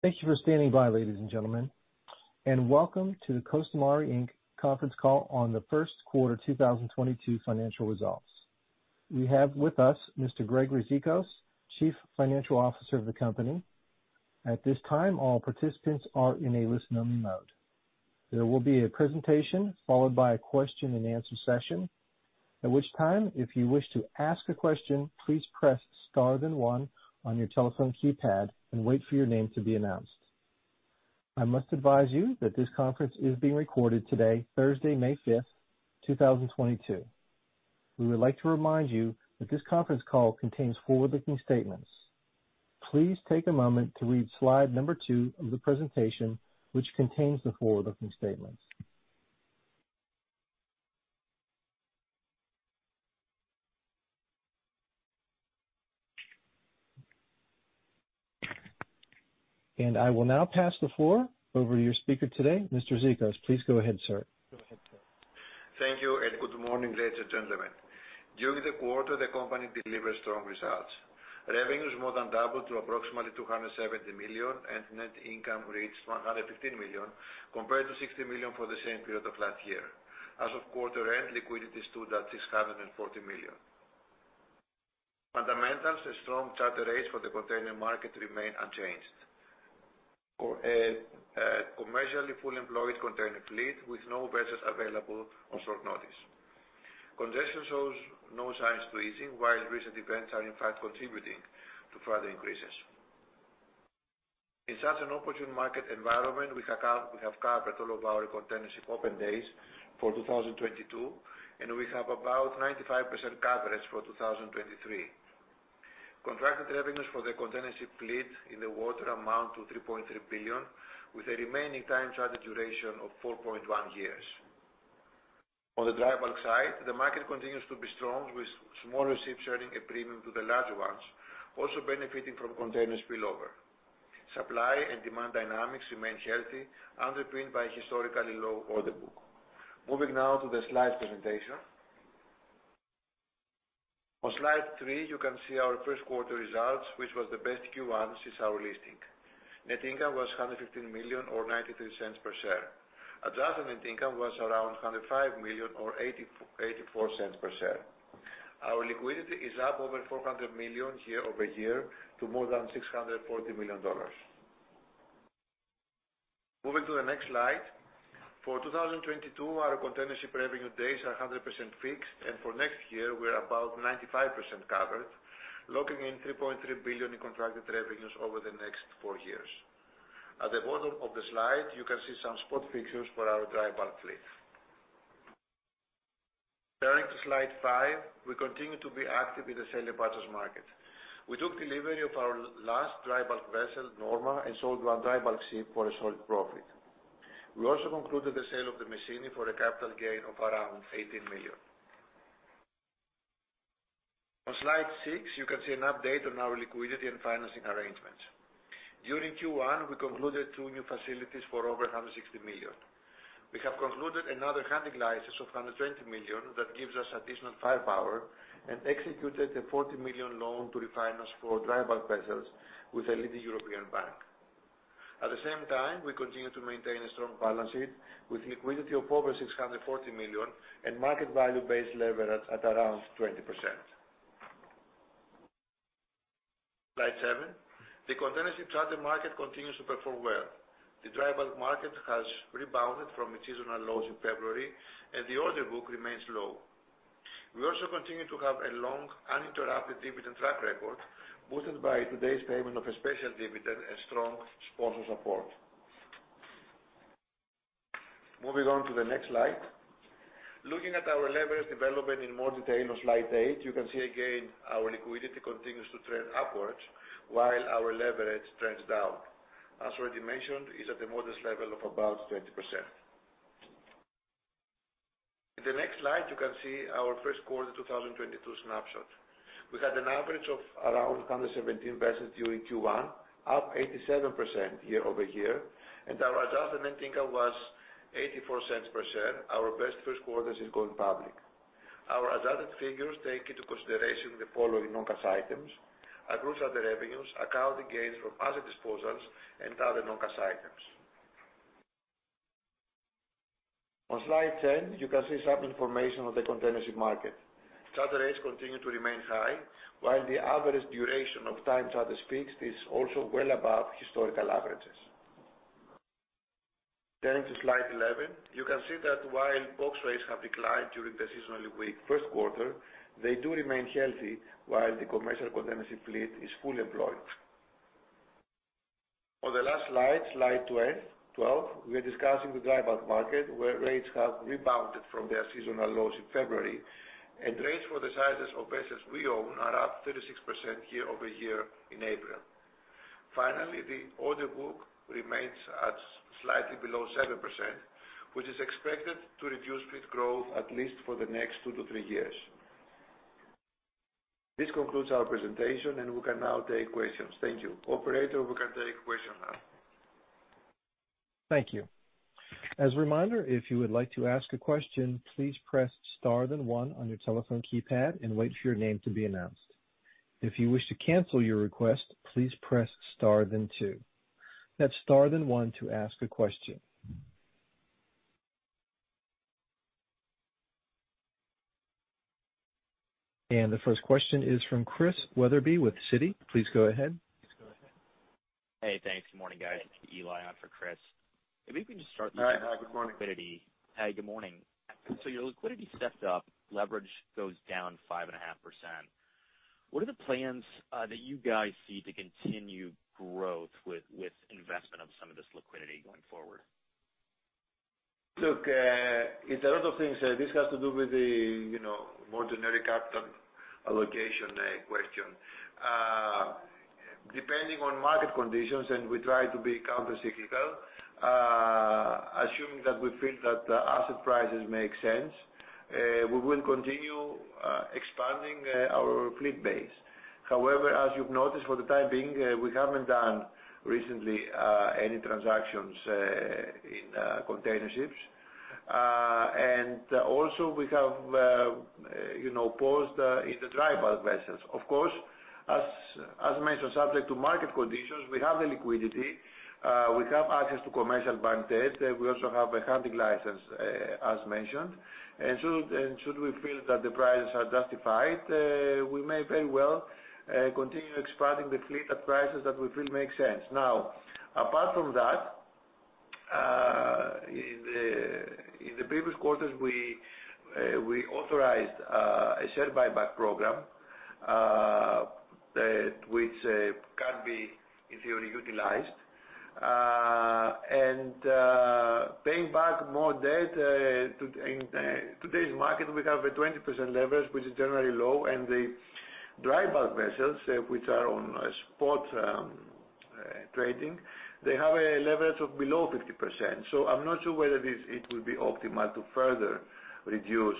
Thank you for standing by, ladies and gentlemen, and welcome to the Costamare Inc. conference call on the first quarter 2022 financial results. We have with us Mr. Gregory Zikos, Chief Financial Officer of the company. At this time, all participants are in a listen-only mode. There will be a presentation followed by a question-and-answer session. At which time, if you wish to ask a question, please press star then one on your telephone keypad and wait for your name to be announced. I must advise you that this conference is being recorded today, Thursday, May 5, 2022. We would like to remind you that this conference call contains forward-looking statements. Please take a moment to read slide number two of the presentation, which contains the forward-looking statements. I will now pass the floor over to your speaker today, Mr. Zikos. Please go ahead, sir. Thank you and good morning, ladies and gentlemen. During the quarter, the company delivered strong results. Revenue is more than double to approximately $270 million, and net income reached $115 million compared to $60 million for the same period of last year. As of quarter end, liquidity stood at $640 million. Fundamentals and strong charter rates for the container market remain unchanged. Our commercially fully employed container fleet with no vessels available on short notice. Congestion shows no signs of easing, while recent events are in fact contributing to further increases. In such an opportune market environment, we have covered all of our containership open days for 2022, and we have about 95% coverage for 2023. Contracted revenues for the containership fleet in the water amount to $3.3 billion, with a remaining time charter duration of 4.1 years. On the dry bulk side, the market continues to be strong with smaller ships earning a premium to the larger ones, also benefiting from container spillover. Supply and demand dynamics remain healthy, underpinned by historically low order book. Moving now to the slides presentation. On slide three, you can see our first quarter results, which was the best Q1 since our listing. Net income was $115 million or $0.93 per share. Adjusted net income was around $105 million or $0.84 Per share. Our liquidity is up over $400 million year-over-year to more than $640 million. Moving to the next slide. For 2022, our containership revenue days are 100% fixed, and for next year, we're about 95% covered, locking in $3.3 billion in contracted revenues over the next four years. At the bottom of the slide, you can see some spot fixtures for our dry bulk fleet. Turning to slide five, we continue to be active in the sale and purchase market. We took delivery of our last dry bulk vessel, Norma, and sold 1 dry bulk ship for a solid profit. We also concluded the sale of the Messini for a capital gain of around $18 million. On slide six, you can see an update on our liquidity and financing arrangements. During Q1, we concluded two new facilities for over $160 million. We have concluded another Handysize of $120 million that gives us additional firepower and executed a $40 million loan to refinance four dry bulk vessels with a leading European bank. At the same time, we continue to maintain a strong balance sheet with liquidity of over $640 million and market value-based leverage at around 20%. Slide seven. The containership charter market continues to perform well. The dry bulk market has rebounded from its seasonal lows in February, and the order book remains low. We also continue to have a long, uninterrupted dividend track record, boosted by today's payment of a special dividend and strong sponsor support. Moving on to the next slide. Looking at our leverage development in more detail on Slide eight, you can see again our liquidity continues to trend upwards while our leverage trends down. As already mentioned, it's at the modest level of about 20%. In the next slide, you can see our first quarter 2022 snapshot. We had an average of around 117 vessels during Q1, up 87% year-over-year, and our adjusted net income was $0.84 per share, our best first quarter since going public. Our adjusted figures take into consideration the following non-cash items, accrued charter revenues, accounting gains from asset disposals, and other non-cash items. On slide 10, you can see some information on the containership market. Charter rates continue to remain high, while the average duration of time charters fixed is also well above historical averages. Turning to slide 11, you can see that while box rates have declined during the seasonally weak first quarter, they do remain healthy while the commercial containership fleet is fully employed. On the last slide 12, we're discussing the dry bulk market, where rates have rebounded from their seasonal lows in February, and rates for the sizes of vessels we own are up 36% year-over-year in April. Finally, the order book remains at slightly below 7%, which is expected to reduce fleet growth at least for the next two to three years. This concludes our presentation, and we can now take questions. Thank you. Operator, we can take question now. Thank you. As a reminder, if you would like to ask a question, please press star then one on your telephone keypad and wait for your name to be announced. If you wish to cancel your request, please press star then two. That's star then one to ask a question. The first question is from Chris Wetherbee with Citi. Please go ahead. Hey, thanks. Morning, guys. It's Eli on for Chris. If we can just start with Hi. Hi, good morning. -liquidity. Hey, good morning. Your liquidity's stepped up, leverage goes down 5.5%. What are the plans that you guys see to continue growth with investment of some of this liquidity going forward? Look, it's a lot of things that this has to do with the, you know, more generic capital allocation question. Depending on market conditions, and we try to be countercyclical, assuming that we feel that the asset prices make sense, we will continue expanding our fleet base. However, as you've noticed, for the time being, we haven't done recently any transactions in container ships. Also we have, you know, paused in the dry bulk vessels. Of course, as mentioned, subject to market conditions, we have the liquidity, we have access to commercial bank debt, we also have a hunting license, as mentioned. Should we feel that the prices are justified, we may very well continue expanding the fleet at prices that we feel make sense. Now, apart from that, in the previous quarters we authorized a share buyback program that which can be in theory utilized. Paying back more debt in today's market we have a 20% leverage, which is generally low, and the dry bulk vessels which are on a spot trading, they have a leverage of below 50%. I'm not sure whether it will be optimal to further reduce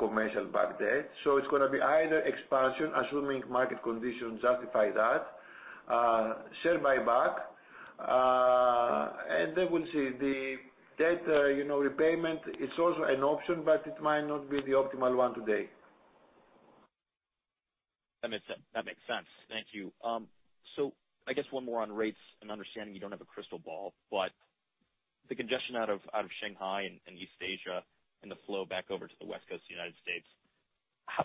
commercial bank debt. It's gonna be either expansion, assuming market conditions justify that, share buyback, and then we'll see. The debt, you know, repayment it's also an option, but it might not be the optimal one today. That makes sense. Thank you. I guess one more on rates and understanding you don't have a crystal ball, but the congestion out of Shanghai and East Asia and the flow back over to the West Coast of the United States,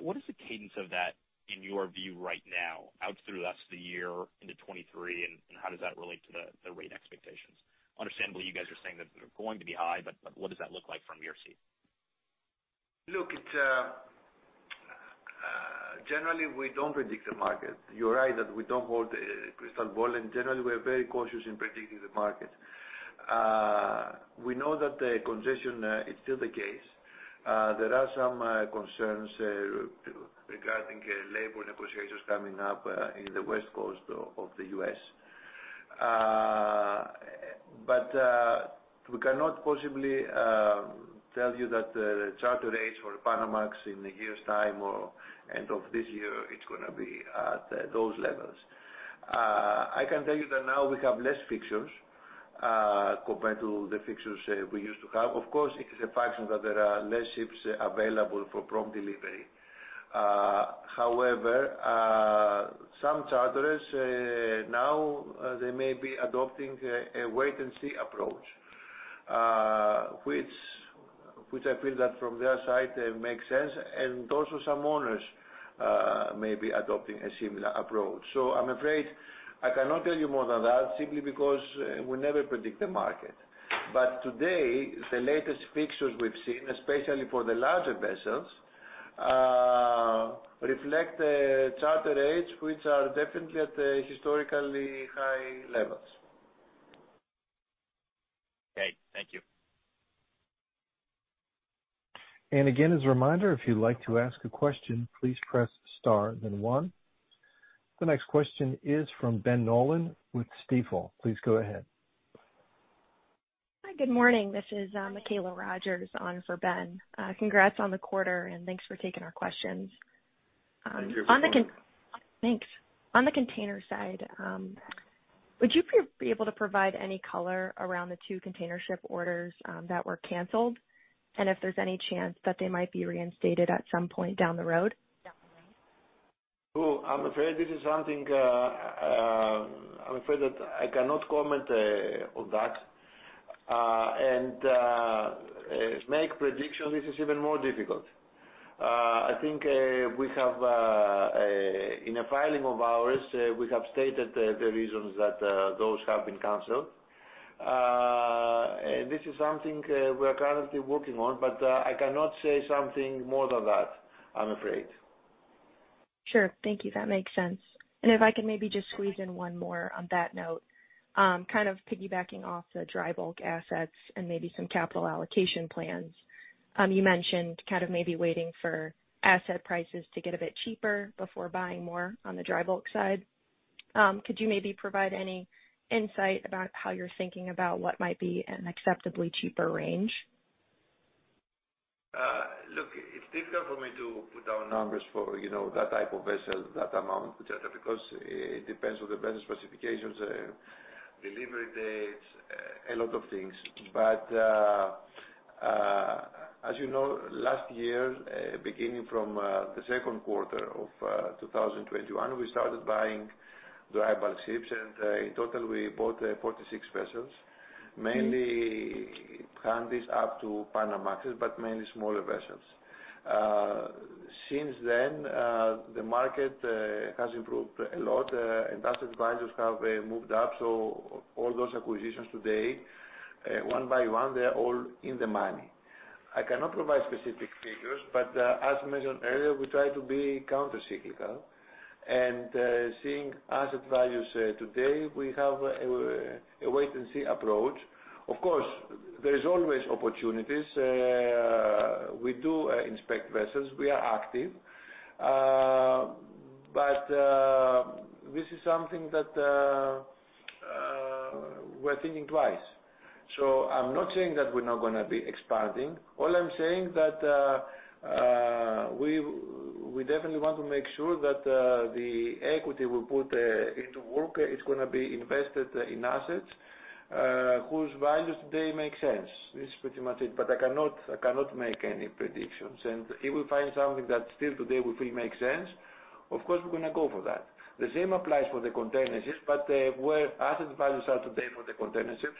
what is the cadence of that in your view right now out through the rest of the year into 2023, and how does that relate to the rate expectations? Understandably, you guys are saying that they're going to be high, but what does that look like from your seat? Look, it's generally we don't predict the market. You're right that we don't hold a crystal ball, and generally we're very cautious in predicting the market. We know that the congestion is still the case. There are some concerns regarding labor negotiations coming up in the West Coast of the U.S. We cannot possibly tell you that the charter rates for Panamax in a year's time or end of this year, it's gonna be at those levels. I can tell you that now we have less fixtures compared to the fixtures we used to have. Of course, it is a fact that there are less ships available for prompt delivery. However, some charterers now they may be adopting a wait-and-see approach, which I feel that from their side it makes sense, and also some owners may be adopting a similar approach. I'm afraid I cannot tell you more than that simply because we never predict the market. Today, the latest fixtures we've seen, especially for the larger vessels, reflect the charter rates which are definitely at historically high levels. Okay, thank you. Again, as a reminder, if you'd like to ask a question, please press star then one. The next question is from Ben Nolan with Stifel. Please go ahead. Hi. Good morning. This is Mikaela Rogers on for Ben. Congrats on the quarter and thanks for taking our questions. Thank you for calling. On the container side, would you be able to provide any color around the two container ship orders that were canceled, and if there's any chance that they might be reinstated at some point down the road? Oh, I'm afraid this is something, I'm afraid that I cannot comment on that. Making a prediction is even more difficult. I think in a filing of ours we have stated the reasons that those have been canceled. This is something we are currently working on, but I cannot say something more than that, I'm afraid. Sure. Thank you. That makes sense. If I could maybe just squeeze in one more on that note, kind of piggybacking off the dry bulk assets and maybe some capital allocation plans. You mentioned kind of maybe waiting for asset prices to get a bit cheaper before buying more on the dry bulk side. Could you maybe provide any insight about how you're thinking about what might be an acceptably cheaper range? Look, it's difficult for me to put down numbers for, you know, that type of vessel, that amount, because it depends on the vessel specifications, delivery dates, a lot of things. As you know, last year, beginning from the second quarter of 2021, we started buying dry bulk ships, and in total we bought 46 vessels, mainly Handysize up to Panamax, but mainly smaller vessels. Since then, the market has improved a lot, and asset values have moved up. All those acquisitions today, one by one, they are all in the money. I cannot provide specific figures, but as mentioned earlier, we try to be countercyclical and seeing asset values today, we have a wait-and-see approach. Of course, there is always opportunities. We do inspect vessels, we are active. This is something that we're thinking twice. I'm not saying that we're not gonna be expanding. All I'm saying that we definitely want to make sure that the equity we put into work is gonna be invested in assets whose values today make sense. This is pretty much it. I cannot make any predictions. If we find something that still today we feel makes sense, of course we're gonna go for that. The same applies for the container ships, but where asset values are today for the container ships,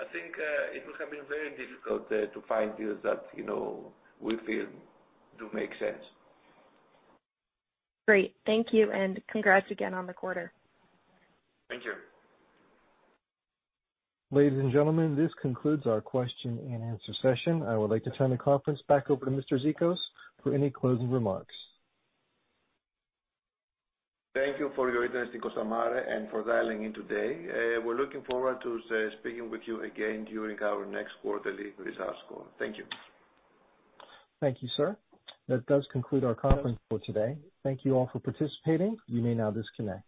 I think it will have been very difficult to find deals that, you know, we feel do make sense. Great. Thank you and congrats again on the quarter. Thank you. Ladies and gentlemen, this concludes our question-and-answer session. I would like to turn the conference back over to Mr. Zikos for any closing remarks. Thank you for your interest in Costamare and for dialing in today. We're looking forward to speaking with you again during our next quarterly results call. Thank you. Thank you, sir. That does conclude our conference call today. Thank you all for participating. You may now disconnect.